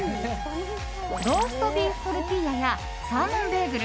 ローストビーフトルティーヤやサーモンベーグル